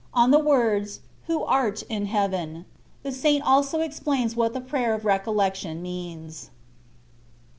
ON THE WORDS, "WHO ART IN HEAVEN." THE SAINT ALSO EXPLAINS WHAT THE PRAYER OF RECOLLECTION MEANS.